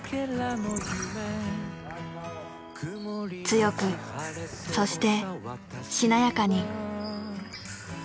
強くそしてしなやかに。